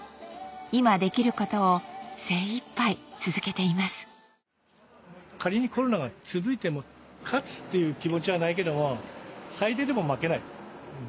今できることを精一杯続けています仮にコロナが続いても勝つという気持ちはないけども最低でも負けない。